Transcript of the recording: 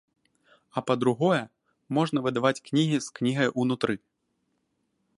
А па-другое, можна выдаваць кнігі з кнігай унутры.